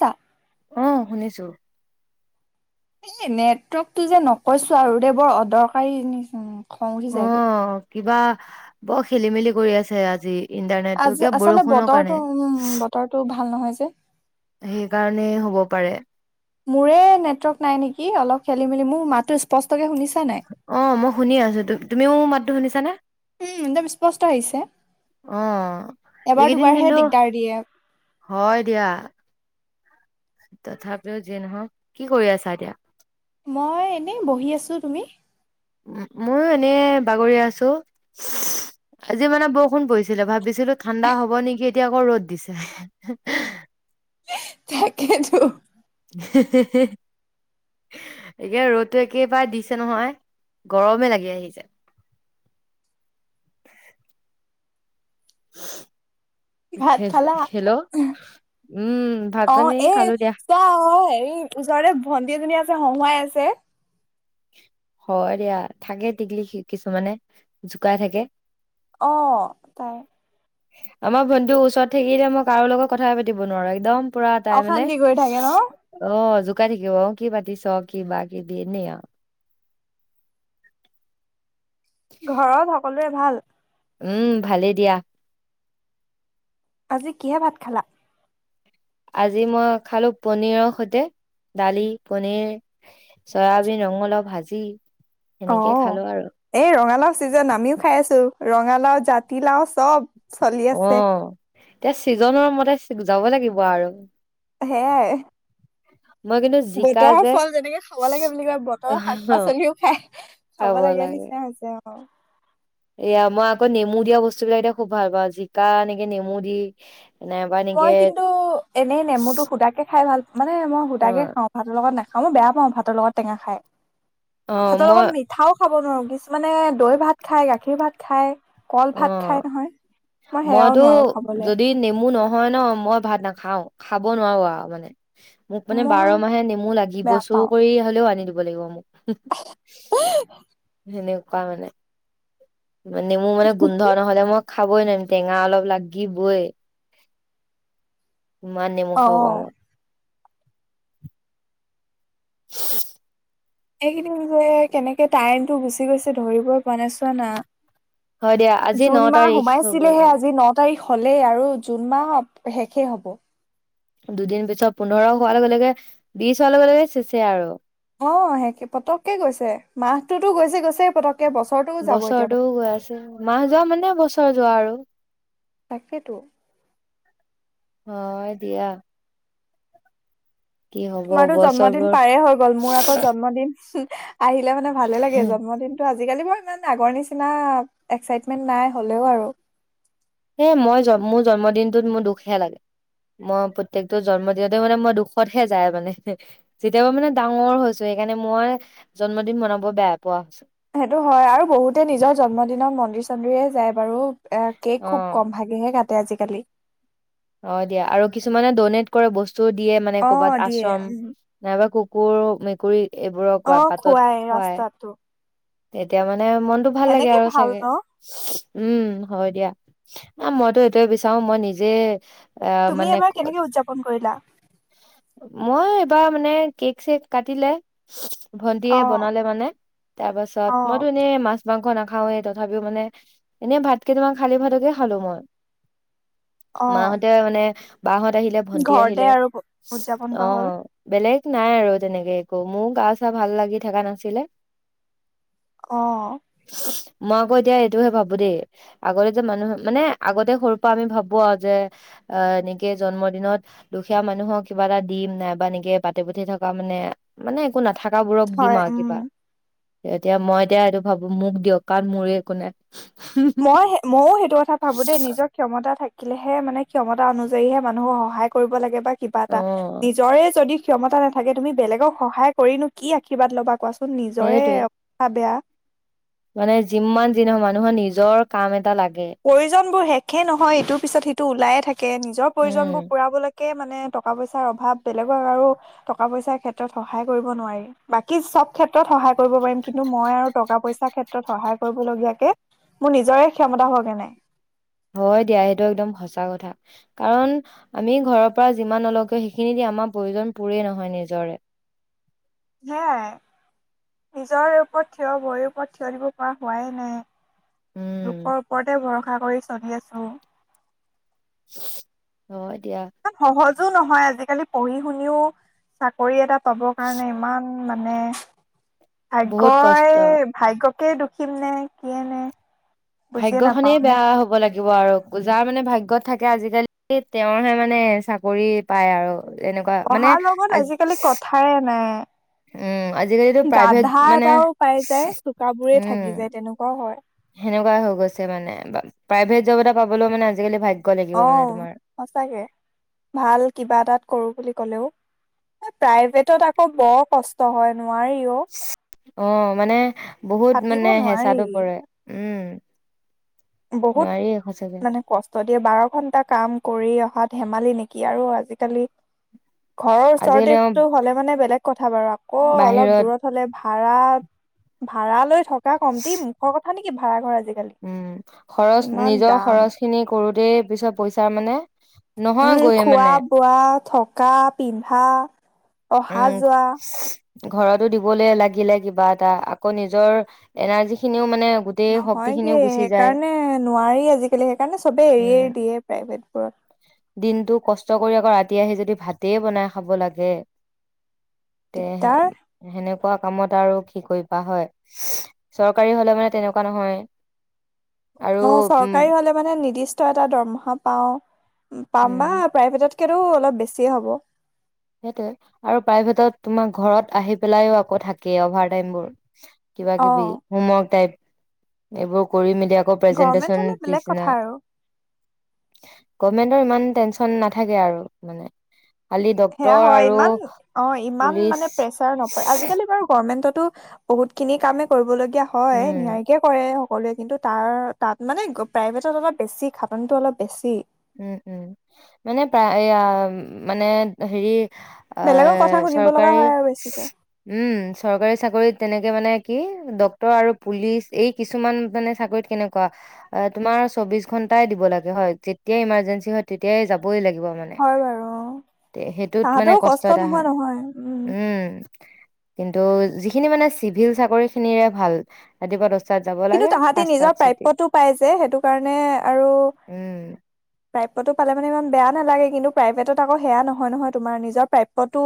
চা অ' শুনিছো [unintelligible] এই নেটৱৰ্কতটো যে নকৈছো আৰু দে বৰ অদৰকাৰী নিচিনা খঙ উঠি যাইগে অ', কিবা বৰ খেলি মেলি কৰি আছে আজি ইণ্টাৰনেটটো আজি কিয় আচলতে বৰষুণৰ কাৰণে বতৰটো উম- উম বতৰটো ভাল নহয় যে সেইকাৰণেই হ'ব পাৰে। মোৰে নেটৱৰ্ক নাই নেকি অলপ খেলি মেলি মোৰ মাতটো স্পষ্টকে শুনিছে? অ' মই শুনি আছো তু-তুমিও মাত টো শুনিছা নে? উম একদম স্পষ্ট হৈছে। অ' এইকেইদিন কিন্তু, দিগদাৰ দিয়ে। হয় দিয়া। তথাপিও যি নহওক কি কৰি আছা এতিয়া? মই এনেই বহি আছো তুমি? ময়ো এনে বাগৰি আছো, আজি মানে বৰষুণ পৰিছিলে ভাবিছিলো ছিলো ঠাণ্ডা হ'ব নেকি এতিয়া আকৌ ৰ'দ দিছে। [unintelligible] তাকেতো হে-হে-হে এতিয়া ৰ'দটো একেবাৰে দিছে নহয় গৰমে লাগি আহিছে। [unintelligible] ভাত খালা? হেল্ল' উম ভাত অ পানী এ খালো দিয়া চা অ হেৰি ওচৰতে ভণ্টি এজনী আছে হঁহুৱাই আছে। হয় দিয়া, থাকে টিকলি কিছুমানে জোকাই থাকে। অ' তাই আমাৰ ভণ্টিৰ ওচৰত থাকিলে মই কাৰো লগত কথাই পাতিব নোৱাৰো একদম পৰা তাই মানে। অশান্তি কৰি থাকে ন অ' [unintelligible] থাকিব কি পাতিছ কিবা কিবি এনেই আও। ঘৰত সকলোৰে ভাল? উম ভালেই দিয়া। আজি কিহে ভাত খালা? আজি মই খালো পনীৰৰ সৈতে দালি, পনীৰ, চয়াবিন- ৰঙালাও ভাজি। সেনেকে অ' খালো আৰু এই ৰঙালাও ছিজেন আমিও খাই আছোঁ। ৰঙালাও জাতিলাও চব। চলি আছে অ'। এতিয়া ছিজনৰ মতে যাব লাগিব আৰু। সেয়াই। [unintelligible] জিকা বতৰৰ যে ফল যেনেকে খাব লাগে বুলি কয় বতৰৰ শাক অ পাচলিও খাই খাব লাগে নিচিনাই হৈছে। অ'। এয়া মই আকৌ নেমু দিয়া বস্তু বিলাক এতিয়া খুব ভাল পাওঁ। জিকা এনেকে নেমু দি নাইবা এনেকে মই কিন্তু এনে নেমুটো সুদাকে খাই ভাল মানে মই অ সুদাকে খাওঁ। ভাতৰ লগত নাখা খাওঁ। মই বেয়া পাওঁ ভাতৰ লগত টেঙা খাই। মই ভাতৰ লগত মিঠাও খাব নোৱাৰোঁ। কিছুমানে দৈ ভাত খায়, গাখীৰ ভাত খায়। কল অ ভাত খাই নহয়। মই সেয়াও নোৱাৰোঁ খাবলৈ। হয় ন'। মই ভাত নাখাওঁ। খাব নোৱাৰোঁ আৰু মানে। মোক মানে বাৰ মই মাহে নেমু লাগিব। বেয়া চুৰ পাওঁ কৰি হ'লেও আনি দি দিব লাগিব মোক। হঁ-হঁ [unintelligible] খোৱা মানে মানে মোৰ মানে গোন্ধ নহলে মোক খাবই নেমু টেঙা অলপ লাগিবই। ইমান নেমু খাব অ পাৰোঁ। [unintelligible] এইকেইদিন যে কেনেকে টাইমটো গুচি গৈছে ধৰিবই পৰা নাই চোৱা না। হয় দিয়া আজি ন জুন মাহ তাৰিখ হৈ গ'ল সোমাইছিলেহে আজি ন' তাৰিখ। হ'লেই আৰু জুন মাহ শেষেই হ'ব। দুদিন পিছত পোন্ধৰ হোৱাৰ লগে লগে, বিশ হোৱাৰ লগে লগে চেচেই আৰু। অ' সেই পতককে গৈছে। মাহটোতো গৈছে গৈছে পতক বছৰটোও গৈ আছে মাহ যোৱা মানে বছৰ যোৱা আৰু। তাকেতো। অ' দিয়া। কি হব তোমাৰতো জন্মদিন বছৰবোৰ পাৰে হৈ গ'ল। মোৰ আকৌ জন্মদিন। আহিলে মানে ভালে লাগে জন্মদিনতটো। আজিকালি মই ইমান আগৰ নিচিনা এক্সাইটমেন্ট নাই হ'লেও আৰু। এ মই জন মোৰ জন্মদিনটোত মোৰ দুখহে লাগে। মই প্ৰত্যেকটো জন্মদিনতে মানে মই দুখতহে যায় মানে। যেতিয়া পআ মানে ডাঙৰ হৈছো সেইকাৰণে মই জন্মদিন মনাব বেয়া পোৱা হৈছো। সেইটো হয় আৰু বহুতে নিজৰ জন্মদিনত মন্দিৰ চন্দিৰে যায় বাৰু। এ অ কেক খুব কম ভাগেহে কাটে আজিকালি। কালি অ' দিয়া আৰু কিছুমানে ডনেট কৰে বস্তু য'ত দিয়ে মানে অ', ক'বাত দিয়ে আচ্ৰম উম। নাইবা ক' ক'ৰ অ মেকুৰী এইবোৰক অ' পাতত খুৱাই ৰাস্তাত ও তেতিয়া মান মানে মনটো ভাল লাগে আৰু ভাল চাগে ন উম হয় দিয়া। আ মইতো সেইটোয়ে বিচাৰো মই নিজে এ তুমি মানে এবাৰ ক- কেনেকে উদযাপন কৰিলা। মই এইবাৰ মানে কেক চেক কাটিলে অ ভন্টিয়ে বনালে মানে। তাৰ অ পাছত মইতো এনে মাছ মাংস নেখাও। খাওঁৱেই তথাপিও মানে এনে ভাত কেইটামান খালি ভাতকে খালো মই। অ মা হতে মানে বা হত আহিলে ভণ্টি ঘৰতে আহিলে। আৰু উদযাপন অ' কৰা হ'ল বেলেগ নাই আৰু তেনেকে একো। মোৰ গা চা ভাল লাগি থকা নাছিলে। অ মই আকৌ এতিয়া এইটোহে ভাবো দেই। আগতে যে মানুহ মানে আগতে সৰুৰে পৰা আমি ভাবো আৰু যে অ এনেকে জন্ম দিনত দুখীয়া মানুহক কিবা এটা দিম নাইবা এনেকে বাটে পঠে থকা মানে মানে একো নাথাক গাঁওবোৰক দিম হয় আৰু উম কিবা। এতিয়া মই এতিয়া সেইটো ভাবো মোক দিয়ক কাৰণ মোৰে একো নাই। মই ময়ো সেইটো কথা ভাবো দেই নিজৰ ক্ষমতা থাকিলেহে মানে ক্ষমতা অনুযায়ীহে মানুহক সহায় কৰিব লাগে বা কিবা অ এটা। নিজৰে যদি ক্ষমতা নথাকে তুমি বেলেগক সহায় কৰিনো কি আশীৰ্বাদ ল'বা কোৱাচোন। মোৰ নিজৰে সেইটোৱে অ- বেয়া। মানে যিমান যি নহ মানুহৰ নিজৰ কাম এটা লাগ প্ৰয়োজন বোৰ শেখে নহয় ইটোৰ পিছত সিটো ওলাই থাকে। নিজৰ প্ৰয়োজন উম বোৰ পুৰাবলৈকে কে মানে টকা পইচাৰ অভাৱ। বেলেগক আৰু টকা পইচাৰ ক্ষেত্ৰত সহায় কৰিব নোৱাৰি। বাকী চব ক্ষেত্ৰত সহায় কৰিব পাৰিম কিন্তু মই আৰু টকা পইচাৰ ক্ষেত্ৰত সহায় কৰিবলগীয়াকে মোৰ নিজৰে ক্ষমতা হোৱা [unintelligible] হয় দিয়া সেইটো একদম সঁচা কথা। কাৰণ আমি ঘৰৰ পৰা যিমান নলও কিয় সেইখিনি দি আমাৰ প্ৰয়োজন পোৰেই নহয় নিজৰে। সেয়াই নিজৰ ওপৰত থিয় ভৰিৰ ওপৰত থিয় দিব পৰা হোৱাই নাই। উম লোকৰ ওপৰতে ভৰষা আ কৰি চলি আছো [unintelligible] এতিয়া ইমান সহজো নহয় আজিকালি পঢ়ি শুনিও চাকৰি এটা চবৰ কাৰণে ইমান মানে বহুত কষ্ট ভাগ্যই ভাগ্য [inaudible] দোষীম নে কিয়েই নে! বুজিয়ে নাপাও ভাগ্যখনেই নে বেয়া হ'ব লাগিব আৰু যাৰ মানে ভাগ্যত থাকে আজিকালি তেওঁৰহে মানে চাকৰি পায় আৰু। এনেকুৱা মানে পঢ়াৰ লগত আজি আজিকালি কথায়ে নাই। উম আজিকালিতো প্ৰাইভেট গাধা মানে, এটাও পাই যায় চোকাবোৰে উম, থাকি যায় তেনেকুৱাও হয় সেনেকুৱা হৈ গৈছে মানে প্ৰাইভেট জব এটা পাবলৈ মানে আজিকালি ভাগ্য লাগিব অ, মানে তোমাৰ সচাকে। ভাল কিবা এটাত কৰো বুলি ক'লেও প্ৰাইভেটত আকৌ বৰ কষ্ট হয়। নোৱাৰি অ'। অ, মানে বহুত খাটিব মানে নোৱাৰি হেঁচাতো পৰে উম বহুত নোৱাৰি সঁচাকে মানে কষ্ট এতিয়া বাৰ ঘন্টা কাম কৰি অহা ধেমালি নেকি আৰু আজিকালি ঘৰৰ আজিকালি অ ওচৰতেতো হ'লে মানে বেলেগ কথা বাৰু আকৌ অলপ বাহিৰত দূৰত হ'লে ভাল। ভাৰা ভাৰালৈ থকা কমটি মুখৰ ক [unintelligible] নেকি ভাৰাঘৰ আজি? উম খৰচ নিজৰ খৰচখিনি সৰুতে পিছত পইচা মানে উম, নহয়গৈয়ে মানে খোৱা-বোৱা থকা-পিন্ধা। উম অহা-যোৱা ঘৰতো দিবলৈ লাগিলে কিবা এটা আকৌ নিজৰ এনাৰ্জিখিনিও নহয়গে সেইকাৰণে নোৱাৰি আজিকালি সেইকাৰণে চবে এৰিয়েৰি উম দিয়ে প্ৰাইভেট দিনটো কষ্ট কৰি আকৌ ৰাতি আহি যদি ভাতেই বনাই খাব লাগে তে সে দিগদাৰ হেনে হোৱা কামত আৰু কি কৰিবা হয় চৰকাৰী হলে মানে তেনেকুৱা নহয় আৰু অ উম চৰকাৰী হলে মানে নিদিচ এটা দৰমহা পাও পাম উম বা প্ৰাইভেটত এতো অলপ বেছিয়ে হ'ব সেইটোৱে আৰু প্ৰাইভেটত তোমাৰ ঘৰত আহি পেলাই ও আকৌ থাকেই অভাৰ টাইম বোৰ কিবা অ কিবি হোমৰ্ক টাইপ এইবোৰ কৰি মেল এতিয়া আকৌ গভমেন্ট প্ৰেজেন্টেচন হলে বেলেগ পিচদিনা কথা আৰু আসস্‌ গভমেণ্টৰ ইমান টেনচন নেথাকে আৰু মানে খালি সেয়া ডক্তৰ হয় আৰু ইমান অ ইমান পুলিচ মানে প্ৰেচাৰ নপৰে আজিকালি বাৰু গৰ্মেণ্টতো বহুত খিনি কামে কৰিবল এতিয়া হয় উম নিয়াৰিকে কৰে সকলোৱে কিন্তু তাৰ তাত মানে প্ৰাইভেটত অলপ বেছি খাটনিটো অলপ বেছি উম - উম মানে প্ৰায়য়া মানে হেৰি অ বেলেগৰ কথা শুনিব লগা চৰকাৰী হয় আৰু বেছিকে ইচপ্‌ উম চৰকাৰী চাকৰিত তেনেকে মানে কি ডক্তৰ আৰু পুলিচ এই কিছুমান মানে চাকৰিত কেনেকুৱা তোমাৰ চৌবিচ ঘন্টাই দিব লাগে হয় তেতিয়া ইমাৰ্জেঞ্চি হয় তেতিয়াই যাবই লাগে হয় বাৰু অ মানে তাহাঁতেও কষ্ট এটা নোহোৱা হয় নহয় উম কিন্তু যিখিনি মানে চিভিল চাকৰি খিনিৰে ভাল ৰাতিপুৱা দচ কিন্তু তাহাঁতি নিজৰ প্ৰাপ্যটো পাই যে সেইটো কাৰণে আৰু উম প্ৰাপ্য টো পালে মানে ইমান বেয়া নালাগে কিন্তু প্ৰাইভেটত আকৌ সেয়া নহয় নহয় তুমাৰ নিজৰ প্ৰাপ্যটো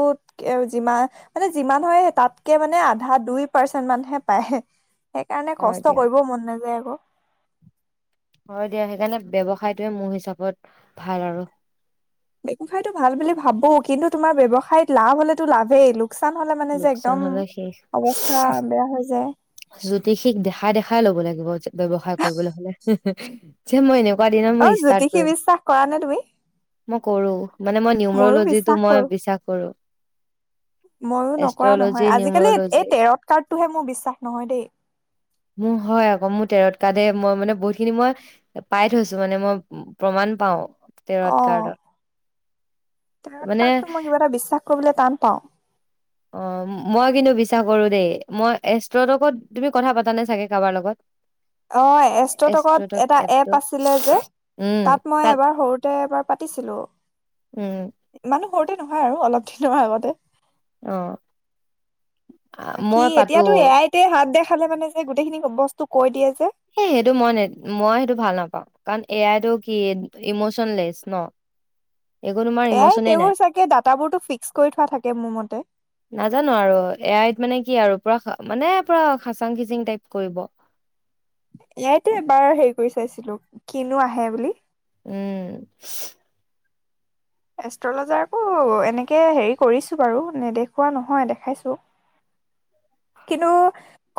যিমান- যিমান মানে যিমান হয় তাতকে মানে আধা দুই পাৰ্চেন মানহে পায় সেইকাৰণে হয় কচ দিয়া ষ্ট কৰিব মন নাযায় ক হয় দিয়া সেইকাৰণে ব্যৱসায়টোৱে মোৰ হিচাপত ভাল আৰু ব্যৱসায়তটো ভাল বুলি ভাবো কিন্তু তোমাৰ ব্যৱসায়ত লাভ হলেতো লাভেই লোঁ লোকচান হলে মানে যে লোকচান একদম হলে শেষ অৱস্থা বেয়া হৈ যায় জ্যোতিষিক দেখাই দেখাই লব লাগিব ব্যৱসায় কৰিবলৈ হলে হম্‌ হম্‌ যে মই এনে অ জ্যোতিষী বিশ্বাস কৰা নে তুমি কৰোঁ ময়ো বিশ্বাস কৰো মইও নকৰা এষ্ট্ৰলজি নহয় আজিকালি নিউমৰলজি এই তেৰত কাৰ্ডটোহে মোৰ বিশ্বাস নহয় দেই মোৰ হয় আকৌ মোৰ তেৰত কাৰডে মই মানে বহুতখিনি মই পাই থৈছো মানে মই প্ৰমাণ পাওঁ তেৰত কাৰ্ডত তেৰড মানে কাৰ্ডটো মই কিবা এটা বিশ্বাস কৰিবলৈ টান ক্তা অ মই কিন্তু বিশ্বাস কৰো দেই মই এষ্ট্ৰটকত তুমি কথা পাতা নে চাগে কাৰোবাৰ লগত অ এষ্টটকত এষ্ট্ৰটক এটা এপ এপটো আছিলে যে তাত মই এবাৰ সৰুতে এবাৰ পাতিছিলোঁ উম ৷ মানে সৰুতে নহয় আৰু অলপ দিনৰ আগতে অ', বাকী মই পাতো এতিয়াতো এইয়াতে হাত দে খালে মানে যে গোটেইখিনি বস্তু কৈ দিয়ে যে এ সেইটো মই- মই সেইটো ভাল নাপাওঁ কাৰণ এ আই টো কি ইমচনলেচ ন? একো তোমাৰ এ আই ইমচনে নাই তেওঁৰ চাগে ডাটাবোৰতো ফিক্স কৰি থোৱা থাকে মোৰ মতে নাজানো আৰু এ আইত মানে কি আৰু পুৰা মানে পুৰা খাচাং খিচিং টাইপ কৰিব এই আইটে এবাৰ হেই কৰি চাইছিলো কিনো আহে বুলি উম এষ্ট্ৰলজাৰকো এনেকে হেৰি কৰিছো বাৰু নেদেখুওৱা নহয় দেখাইছো, কিন্তু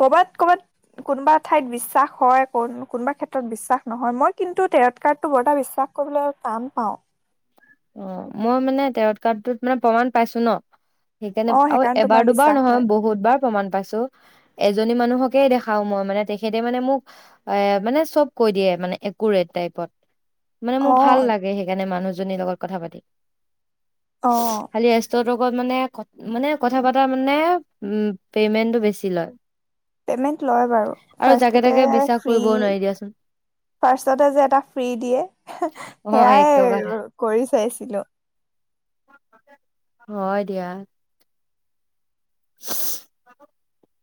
কবাত-কবাত কোনোবা ঠাইত বিশ্বাস হয় কোনোবা ক্ষেত্ৰত বিশ্বাস নহয়, মই কিন্তু তেৰট কাৰ্ডটো বৰটা বিশ্বাস কৰিবলৈ টান পাওঁ ৷ অ মই মানে তেৰ কাৰটোত মানে প্ৰমাণ পাইছো ন সেইকাৰণে অ আৰু এবাৰ তোমাৰ দুবাৰ বিশ্বাস নহয় হয় বহুত বাৰ প্ৰমাণ পাইছো ৷ এজনী মানুহকে দেখাও মই মানে তেখেতে মানে মোক এ মানে চব কৈ দিয়ে মানে একুৰেট টাইপত মানে অ মোৰ ভাল লাগে সেইকাৰণে মানুহ জনিলগত কথা পাতি অ খালি এষ্টটক মই মানে-মানে কথা পাতা মানে উ পেমেন্টো বেছি লয় পেমেণ্ট লয় বাৰু আৰু জাকে ফাচ্ছতে তাকে বিশ্বাস ফ্ৰি কৰিবও নোৱাৰি দিয়াচোন ফাচ্ছতে যে এটা ফ্ৰি দিয়ে অ এক সেয়াই টকা এটা আৰু কৰি চাইছোঁ খিলো হয় দিয়া ব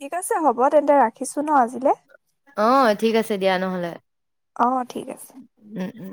ঠিক আছে হ'ব তেন্তে ৰাখিছো ন আজিলে? অ ঠিক আছে দিয়া নহলে অ ঠিক আছে উম উম